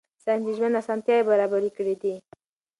ساینس د ژوند اسانتیاوې برابرې کړې دي.